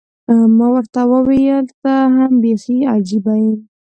ما ورته وویل، ته هم بیخي عجيبه یې.